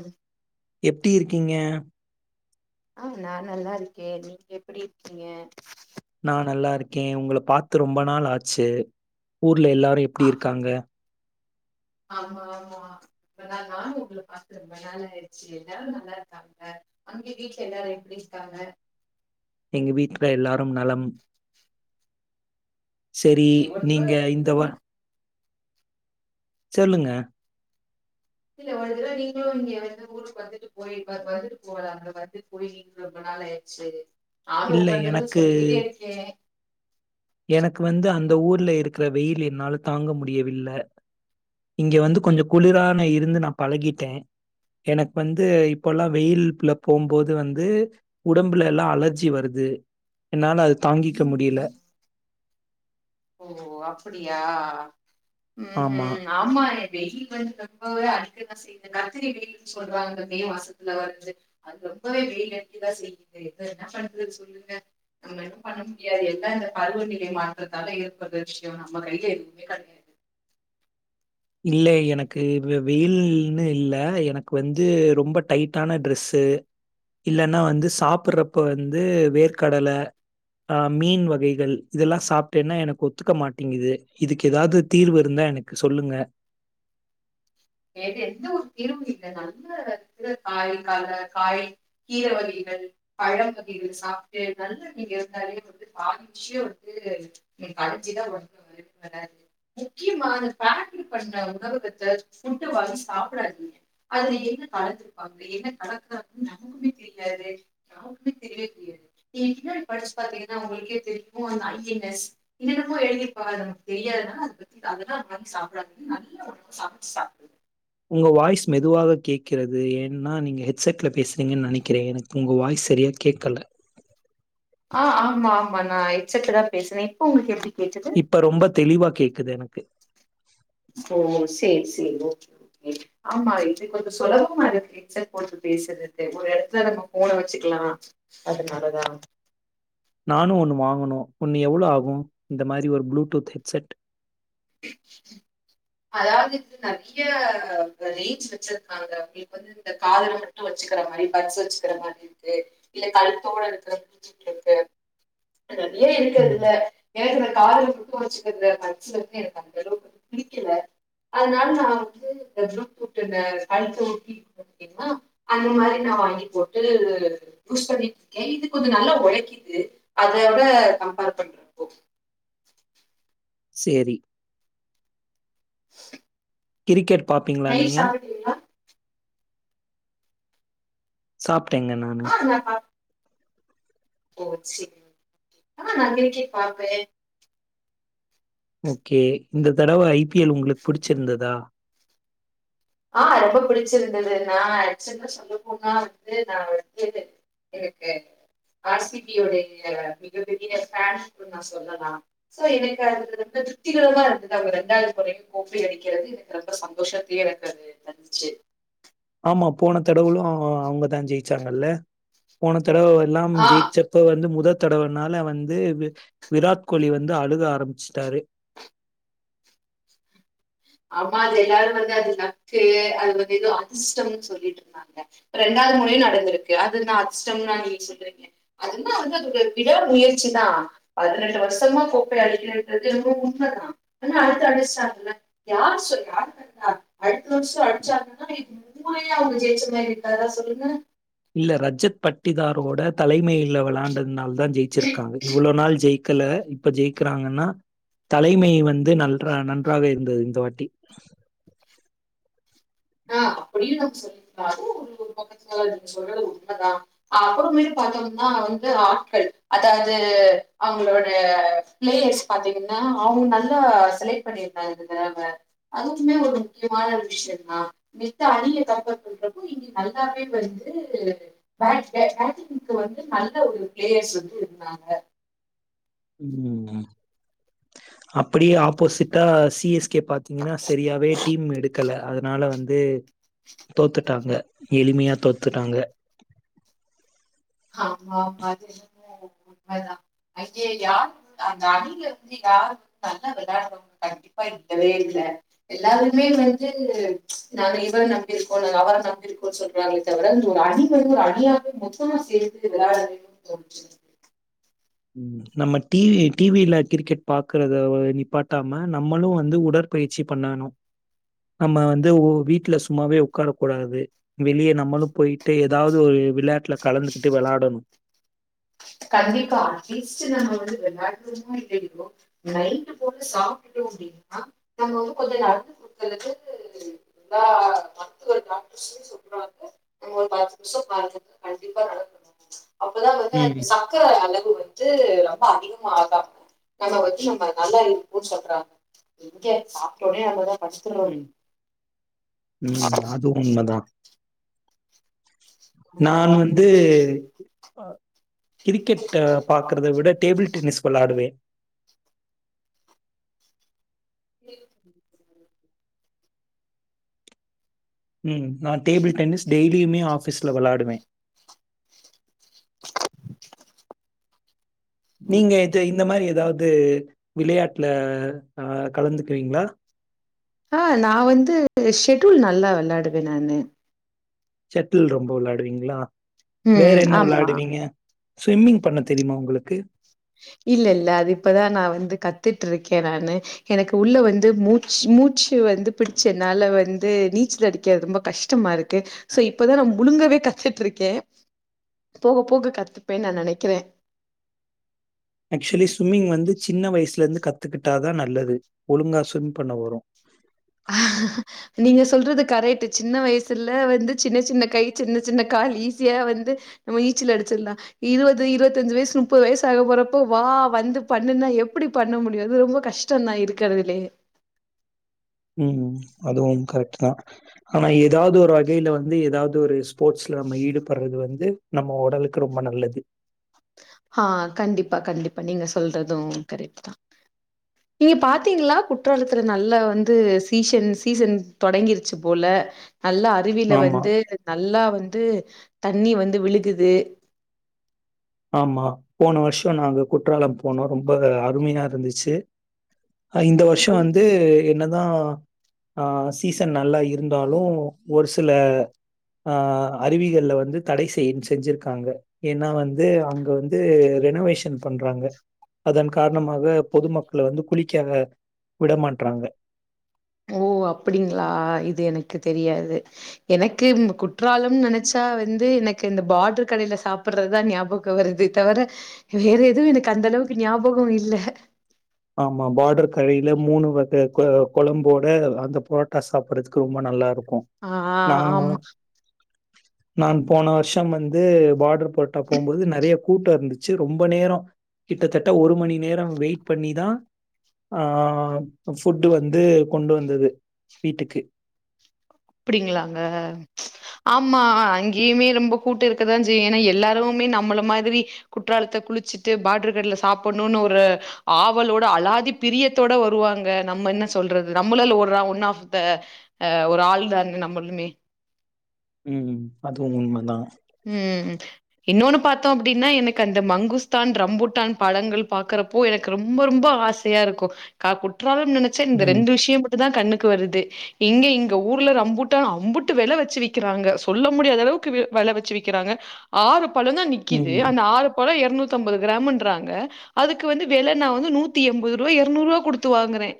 ம் எப்டி இருக்கீங்க? ஆ நா நல்லா இருக்கே நீங்க எப்படி இருக்கீங்க? நா நல்லா இருக்கே உங்கள பாத்து ரொம்ப நாள் ஆச்சு ஊ ர்ல எல்லாரு ஆ எப்பிடி இருக்காங்க? ஆமா ஆமா ப்ரதர் நானு உங்கள பாத்து ரொம்ப நாள் ஆயிடுச்சு. எல்லாரு நல்லா இருக்காங்க. அங்க வீட்ல எல்லாரு எப்டி இருக்காங்க? எங்க வீட்ல எல்லாரும் நலம் சேரி ஓகே ஒரு தடவ நீங்க இந்தவா ஊருக்கு சொல்லுங்க இல்ல ஒரு தடவ நீங்களு இங்க வந்து ஊருக்கு வந்துட்டு போயி ப ப வந்துட்டு போகலா இல்ல வந்துட்டு போயி இங்க ரொம்ப நாள் ஆயிடுச்சு நானு இல்ல ஒவ்வொரு தடவயு எனக்கு சொல்லிக்கிட்டே இருக்கே எனக்கு வந்து அந் த ஊர்ல இருக்கிற வெயில் என்னால தாங்க முடியவில்ல. இங்க வந்து கொஞ்ச குளிரான இருந்து நா பழகிட்டே. எனக்கு வந்து இப்பல்லா வெயில்ப்ல போம்போது வந்து உடம்புல எல்லா அலர்ஜி வருது. என்னால அது தாங்கிக்க முடில ஓ அப்பிடியா? ஆமா. ம்ஹூம் ஆமா எ வெயில் வந்து ரொம்பவே அடிக்கதா செய்து. கத்திரி வெயில்னு சொல்றாங்க மே மாசத்துல வருது. அது ரொம்பவே வெயில் அடிக்கதா செய்யுது. இத என்ன பண்றது சொல்லுங்க? நம்ம ஒன்னு பண்ண முடியாது எல்லா இந்த பருவநிலை மாற்ற த்தால ஏற்படற விஷயோ நம்ம கைல எதுவுமே கெடையாது இல்ல எனக்கு வெ வெயில்னு இல்ல. எனக்கு வந்து ரொம்ப டைட்டான ட்ரெஸ்ஸு இல்லன்னா வந்து சாப்பறப்ப வந்து வேர்கடல ஆ மீன் வகைகள் இதெல்லா சாப்ட்டேன்னா எனக்கு ஒத்துக்க மாட்டேங்குது. இதுக்கு எதாவது தீர்வு இருந்தா எனக்கு சொல்லுங்க. ஏ இது எந்த ஒரு தீர்வு இல்ல. நல்ல இது காய் கர காய் கீர வகைகள் பழ வகைகள் சாப்ட்டு நல்லா நீங்க இருந்தாலே வந்து [inaudible] நீங்க அடைஞ்சுதா வந்து [inaudible] முக்கியமா பேக்டு பண்ற உணவகத்த ஃபுட்ட வாங்கி சாப்படாதீங்க. அதுல என்ன கலந்திருப்பாங்க என்ன கலக்குறாங்கன்னு நமக்குமே தெரியாது. யாருக்குமே தெரியவே தெரியாது. நீங்க இன்னொன்னு படிச்சு பா்த்தீங்கன்னா உங்களுக்கே தெரியு அந்த ஐ என் எஸ் என்னென்னமோ எழுதிருப்பாங்க அது நமக்கு தெரியாதனால அத பத்தி அதெல்லா வாங்கி சாப்டாதீங்க நல்ல உணவ சாப்டுங்க. சாப்ட்டு உங்க வாய்ஸ் மெதுவாக கேக்கிறது. ஏன்னா நீங்க ஹெட்செட்ல பேசுறீங்கன்னு நெனைக்கிறேன். எனக்கு உங்க வாய்ஸ் சரியா கேக்கல. ஆ ஆமா ஆமா நான் ஹெட்செட்லதா பேசுறே இப்ப உங்களுக்கு எப்டி கேட்டுது இப்ப ரொம்ப தெளிவா கேக்குது எனக் கு ஓ சேரி சேரி ஓகே ஓகே ஆமா இது கொஞ்ச சுலபமா இருக்கு ஹெட் செட் போட்டு பேசுறது ஒரு எடத்துல நம்ம போன வச்சுக்குலா அதுனாலதா நானு ஒண்ணு வாங்கனு ஒண்ணு எவ்ளோ ஆகும் இந்த மாரி ஒரு ப்ளூடூத் ஹெட்செட் [unintelligible] அதாவுது இது நெறைய ரேஞ்ச் வச்சுருக்காங்க உங்களுக்கு வந்து இந்த காதுல மட்டு வச்சுக்கிற மாரி பஸ்ட் வச்சுக்கிற மாரி இருக்கு இல்ல கழுத்தோட இருக்கட்டு இருக்கு ஏ இருக்கறது ம். இல கேக்குற கால் எங்க வச்சுக்க வச்சு வந்து எனக் அந்தளவு வந்து பிளி கில அதுனால நா வந்து இந்த புளூடுத் ஒன்னு கழுத்த ஒட்டி இருக்க பாதிங்னா அந்த மாரி நா வாங்கி போட்டு யூஸ் பண்ணிட்டு இருக்கே இது கொஞ்ச நல்லா ஒழைக்கிது அத விட கம்பேர் பண்றப்போ சேரி [inaudible] கிரிக்கெட் நைட் சாப்டீங்ளா சாப் டேங்க நானு ஓ சேரி ஆ நா இன்னைகே பாப்பேன் ஓகே இந்த தடவ ஐ பி எல் உங்களுக்கு புடிச்சுருந்ததா ஆ ரொம்ப புடுச்சுருந்தது நா அச்சன்ட சொல்ல போனா வந்து நா வந்து எனக்கு ஆர் சிபியோடைய மிகப்பெரிய பேன் நா சொல்லலாம் சோ எனக்கு அதுல ரொம்ப திருப்திகரமா இருந்தது அவுங்க ரெண்டாவது முறையும் கோப்பய அடிக்கிறது எனக்கு ரெட்ட சந்தோஷத்தயே இருக் கது நன்சு ஆமா போன தடவுகளும் அவுங்கதா ஜெயிச்சாங்கல்ல போன தடவை எல்லாம் ஆஹ் ஜெயிச்சப்ப வந்து முதல் தடவனால வந்து விராட் கோலி வந்து அழுக ஆரம்பிச்சுட்டாரு ஆமா அது எல்லாரும் வந்து அது லக்கு அது வந்து ஏதோ அதிர்ஷ்டம்னு சொல்லிட்டு இருந்தாங்க ரெண்டாவது முறையும் நடந்திருக்கு அதுதான் அதிர்ஷ்டம்னா நீங்க சொல்றீங்க அதுதா வந்து அதோட விட முயற்சிதான் பதினெட்டு வருஷமா கோப்பை அடிக்கன்றது என்னமோ உண்மைதான் ஆனா அடுத்த அடிச்சாங்கல்ல யார் சொல்ற யாருகண்டா அடுத்த வருஷம் அடிச்சாங்கன்னா இது மூண்ணயு அவுங்க ஜெயிச்ச மாரி இருக்காதா சொல்லுங்க இல்ல ரஜத் பட்டிதாரோட தலைமையில விளையாண்டதுனால தா தா ஜெயிச்சுருக்காங்க இவ்ள நாள் ஜெயிக் கல இப்ப ஜெயிக்கிறாங்கன்னா தலைமை வந்து நன்றா நன்றாக இருந்தது இந்த வாட்டி ஆ அப்டியும் நம்ம சொல்லலாம் அதுவும் ஒரு ஒரு பக்கத்துல சொல்றது உண்மைதான் அப்புறமே பாத்தோம்னான் வந்து ஆட்கள் அதாவுது அவங்களோட பிளேயர்ஸ் பாத்தீங்கன்னா அவுங்க நல்லா செலக்ட் பண்ணிருந்தாங்க இந்த தடவ அதுவுமே ஒரு முக்கியமான விஷயந்தா மித்த அணிய கம்பேர் பன்றப்ப இங்க நல்லாவே வருது பேட் பேட்டிங்கு வந்து நல்ல ஒரு பிளேயர்ஸ் வந்து இருந்தாங்க ம் ம அப்டியே ஆப்போசிட்டா சி எஸ் கே பாத்தீங்கன்னா சரியாவே டீம் எடுக் கல அதுனால வந்து தோத்துட்டாங்க எளிமையா தோத்துட்டாங்க ஆமாமா அது உண்மைதா அங்க யாரு அந்த அணில வந்து யாரு நல்லா விளாடுறவங்க கண்டிப்பா இல்லவே இல்ல எல்லாருமே வந்து நாங்க இவர நம்பிருக்கோம் நாங்க அவர நம்பிருக்கோம் சொல்றாங்க தவிர அந்து ஒரு அணி வந்து ஒரு அணியாவே மொத்தமா சேத்து விளாடுனுன் தோன்சு நம்ம டி வி டி வில கிரிக்கெட் பாக்குறத நிப்பாட்டாம நம்மளும் வந்து உடற்பயிற்சி பண்ணணு நம்ம வந்து வீட்ல சும்மாவே உக்கார கூடாது வெளியே நம்மளும் போயிட்டு ஏதாவது ஒரு விளையாட்டுல கலந்துகிட்டு விளையாடணும் கண்டிப்பா அட்லீஸ்ட் நம்ம வந்து விளையாடு ரோமோ இல்லயோ நைட்டு போல சாப்புட்டோம் அப்பிடின்னா நம்ம வந்து கொஞ்ச நடந்து குடுக்கறது எல்லா மருத்துவ டாக்டர்சும் சொல்ராங்க நம்ம ஒரு பத்து நிமிஷம் கண்டிப்பா நடக்கனும் அப்பதான் ம். ரத்த சக்கர அளவு வந்து ரொம்ப அதிகமா ஆகா நம்ம வந்து இவுங்க நல்லா இருக்கும்ன்னு சொல்றாங்க எங்க சாப்டோனே நம்மதான் படுத்துருவோமே ம். ம். அது உண்மதான். நான் வந்து கிரிக்கெட்ட பாக்குறத விட டேபிள் டென்னிஸ் விளையாடுவேன் டேபிள் டென்னிஸ் ம் நான் டேபிள் டென்னிஸ் டெய்லியுமே ஆஃபீஸ்ல விளையாடுவேன் [inaudible] நீங்க இது இந்த மாரி ஏதாவது விளையாட்டுல ஆ கலந்துக்குவீங்களா ஆ நான் வந்து ஷெடூல் நல்லா விளையாடுவேன் நானு செட்டில் ரொம்ப விளையாடுவீங்களா வேற ம் என்ன ஆமா விளையாடுவீங்க ஸ்விம்மிங் பண்ண தெரியுமா உங்களுக்கு இல்ல இல்ல அது இப்பதான் நான் வந்து கத்துட்டுருக்கேன் நானு எனக்கு உள்ள வந்து மூச்சு மூச்சு வந்து பிடிச்ச என்னால வந்து நீச்சல் அடிக்க ரொம்ப கஷ்டமா இருக்கு சோ இப்பதான் நான் முழுங்கவே கத்துட்டு இருக்கேன் போக போக கத்துப்பேன்னு நான் நெனக்கிறேன் ஆக்சுவலி ஸ்விம்மிங் வந்து சின்ன வயசுல இருந்து கத் கத்துக்கிட்டாதான் நல்லது ஒழுங்கா ஸ்விம் பண்ண வரும் நீங்க சொல்றது கரெக்ட்டு சின்ன வயசுல வந்து சின்ன சின்ன கை சின்ன சின்ன கால் ஈஸியா வந்து நம்ம நீச்சல் அடிச்சிடலாம் இருபது இருபத்தஞ்சு வயசு முப்பது வயசு ஆக போறப்போ வா வந்து பண்ணுன்னா எப்படி பண்ண முடியும் அது ரொம்ப கஷ்டம்தான் இருக்கறதுலயே ம் அதுவும் கரெக்ட்டு தான் ஆனா ஏதாவது ஒரு வகையில வந்து ஏதாவது ஒரு ஸ்போர்ட்ஸ்ல நம்ம ஈடுபடுறது வந்து நம்ம உடலுக்கு ரொம்ப நல்லது ஆ கண்டிப்பா கண்டிப்பா நீங்க சொல்றதும் கரெக்ட்டு தான் நீங்க பாத்தீங்களா குற்றாலத்துல நல்லா வந்து சீசன் சீசன் தொடங்கிருச்சு போல நல்லா அருவியில ஆமா, வந்து நல்லா வந்து தண்ணி வந்து விழுகுது ஆமா போன வருஷம் நாங்க குற்றாலம் போனோம் ரொம்ப அருமையா இருந்துச்சு இந்த வருஷம் வந்து என்னதான் ஆ சீசன் நல்லா இருந்தாலும் ஒரு சில ஆ அருவிகள்ல வந்து தடை செய் செஞ்சிருக்காங்க ஏன்னா வந் து அங்க வந்து ரெனோவேஷன் பண்றாங்க அதன் காரணமாக பொதுமக்களை வந்து குளிக்காத விட மாட்டறாங்க ஓ அப்படிங்களா இது எனக்கு தெரியாது எனக்கு குற்றாலம்னு நெனச்சா வந்து எனக்கு இந்த பார்டரு கடையில சாப்பிடுறதுதான் ஞாபகம் வருது தவிர வேற எதுவும் எனக்கு அந்த அளவுக்கு ஞாபகம் இல்ல ஆமா பார்டர் கழையில மூணு வகை குழம்போட அந்த புரோட்டா சாப்பறதுக்கு ரொம்ப நல்லா இருக் ஆ ஆ ஆமா நான் போன வருஷம் வந்து பார்டர் புரோட்டா போபோது நறைய கூட்டம் இருந்துச்சு ரொம்ப நேரம் கிட்டத்தட்ட ஒரு மணி நேரம் வெயிட் பண்ணிதான் ஆ ஃபுட்டு வந்து கொண்டு வந்தது வீட்டுக்கு அடிங்களாங்க ஆமா அங்கேயுமே ரொம்ப கூட்டு இருக்கதான் செய்யும் ஏன்னா எல்லாருமே நம்மள மாதிரி குற்றாலத்தை குளிச்சுட்டு பார்டரு கடைல சாப்பிடணும்னு ஒரு ஆவலோட அலாதி பிரியத்தோட வருவாங்க நம்ம என்ன சொல்றது நம்மள ஒ ஆப் த ஒரு ஆள் தானே நம்மளுமே ம்ம் அதுவும் உண்மைதான் உம் இன்னொன்னு பார்த்தோம் அப்படின்னா எனக்கு அந்த மங்குஸ்தான் ரம்புட்டான் படங்கள் பாக்குறப்போ எனக்கு ரொம்ப ரொம்ப ஆசையா இருக்கும் கா நான் நினைச்சேன் இந்த ம், ரெண்டு விஷயம் பட்டு தான் கண்ணுக்கு வருது எங்க இங்க ஊர்ல அம்புட்ட அம்புட்டு வெலை வச்சு வைக்கிறாங்க சொல்ல முடியாத அளவுக்கு வெலை வச்சு வக்கிறாங்க ஆறு பழம் தான் நிக்குது ம். அந்த ஆறு பழம் இருநூத்தி நுத்தி ஐம்பது கிராம்ன்றாங்க அதுக்கு வந்து வெலை நான் வந்து நூத்தி எண்பது ரூபாய் இருநூறு ரூபா் குடுத்து வாங்கறேன்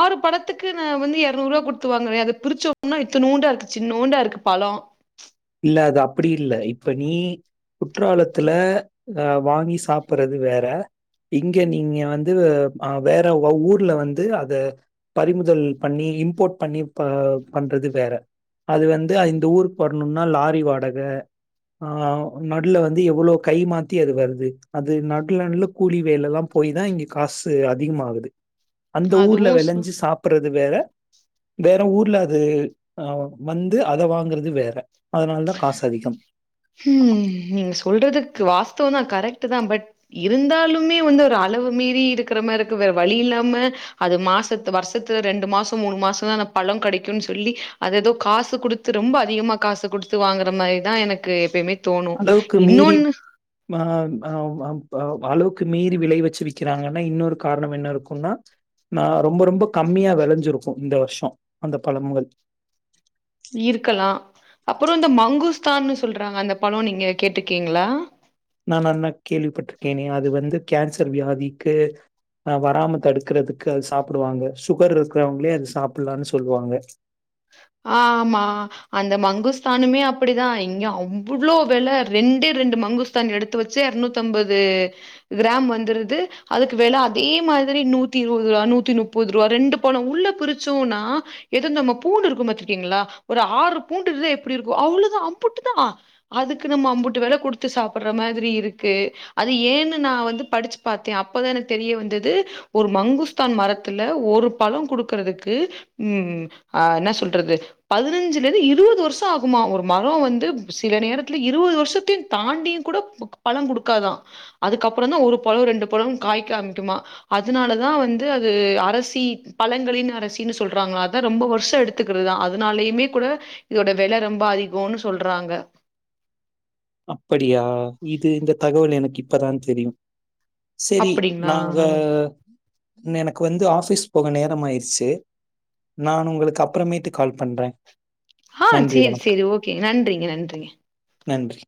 ஆறு பழத்துக்கு நான் வந்து இருநூறு ரூபா குடுத்து வாங்குறேன் அதை பிரிச்சோனா இத்தநுண்டா இருக்கு சின்னுன்டா இருக்கும் பழம் இல்ல அது அப்படி இலல இப்ப நீ குற்றாலத்துல அஹ வாங்கி சாப்பிடுறது வேற இங்க நீங்க வந்து ஹ வேற ஊர்ல வந்து அத பறிமுதல் பண்ணி இம்போர்ட் பண்ணி பண்றது வேற அது வந்து இந்த ஊரு ணும்னா லாரி வாடகை ஆஹ் நடுல வந்து எவ்வளவு கை மாத்தி அது வருது அது நடு நடுவுல கூலி வேலை எல்லாம் போய் தான் இங்க காசு அதிகமாககுது அந்த ஊர்ல அதுவு சு வெளைஞ்சு சாப்பறது வேற வேற ஊர்ல அது ஆஹ் வந்து அதை வாங்கறது வேற அதனால தான் காசு அதிகம். உம் நீங்க சொல்றதுக்கு வாஸ்தவம் தான் கரெக்ட் ப் இருந்தாலுமே வந்து ஒரு அளவு மீறி இருக்கிற மாதிரி இருக்கு வேற வழி இல்லாம அது மாசத்து வருஷத்துல ரெண்டு மாசம் மூணு மாசம் தான்ந்த பழம் கிடைக்கும்னு சொல்லி அத ஏதோ காசு குடுத்து ரொம்ப அதிகமா காசு குடுத்து வாங்குற மாதிரிதான் எனக்கு எப்பயுமே தோணும் அளவுக்கு மீறி இன்னொன்னு அ அளவுக்கு மீறி விளை வச்சு வக்கிறாங்கன்னா இன்னொரு காரணம் என்ன இருக்கும்னா ஆஹ் ரொம்ப ரொம்ப கம்மியா விளைஞ்சிருக்கும் இந்த வருஷம் அந்த பழங்கள் இருக்கலாம் அப்புறம் இந்த மங்குஸ்தான்னு சொல்றாங்க அந்த பழம் நீங்க கேட்டுருக்கீங்களா நான் நன்னா கேள்விப்பட்டிருக்கேனே அது வந்து கேன்சர் வியாதிக்கு அஹ் வராம த தடுக்கறிறதுக்கு அது சாப்பிடுவாங்க சுகர் இருக்கிறவங்களே அது சாப்பிடலான்னு சொல்லுவாங்க ஆமா அந்த மங்குஸ்தானுமே அப்படிதான் இங்க அவ்வளவு வெல ரெண்டே ரெண்டு மங்குஸ்தான் எடுத்து வச்சு இரநூத்தி ஐம்பது கிராம் வந்துருது அதுக்கு வெல அதே மாதிரி நூத்தி இருபது ரூபா நூத்தி முப்பது ரூபா ரெண்டு பணம் உள்ள பிரிச்சோம்னா எதோ நம்ம பூண்டு இரு இருக்கும் பர்த்திங்களா ஒரு ஆறு பூண்டு இருந்தா எப்படி இருக்கும் அவ்ளோதான் அம்புட்டு தான் அதுக்கு நம்ம அம்புட்டு வெலை கொடுத்து சாப்பிடுற மாதிரி இருக்கு அது ஏன்னு நான் வந்து படிச்சு பார்த்தேன் அப்பதான் எனக்கு தெரிய வந்தது ஒரு மங்குஸ்தான் மரத்துல ஒரு பழம் கொடுக்கறதுக்கு என்ன சொல் பண்றது பதினெஞ்சுல இருந்து இருபது வருஷம் ஆகுமா ஒரு மரம் வந்து சில நேரத்தில இருபது வருத்தையும் தாண்டியும் கூட பழம் கொடுக்காதான் அதுக்கப்புறம் தான் ஒரு பழம் ரெண்டு பழம் காய்க ஆரம்பிக்கும்மா அதுனால தான் வந்து அது அரசி பழங்களின் அரசினு சொல்றாங்கலாம் அதான் ரொம்ப வருஷம் எடுத்து கத்துக்கிறதுதான் அதனாலயுமே கூட இதோட விலை ரொம்ப அதிகோம்னு சொல்றாங்க அப்படியா இது இந்த தகவல் எனக்கு இப்பதான் தெரியும் செரி அப்படிங்களா? நாங்க எனக்கு இப்ப வந்து ஆபீஸ் போக நேரம் ஆயிடுச்சு நான் உங்களுக்கு அப்புறமேட்டு கால் பண்றேன் ஆஹ் செரி செரி ஓகேங்க நன்றிங்க நன்றிங்க நன்றி